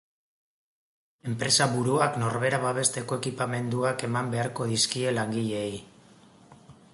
Enpresaburuak norbera babesteko ekipamenduak eman beharko dizkie langileei.